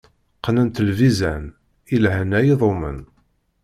Qqnent lbizan, i lehna idumen.